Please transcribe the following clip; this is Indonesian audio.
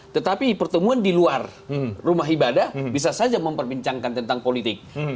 tetapi pertemuan di luar rumah ibadah bisa saja memperbincangkan tentang politik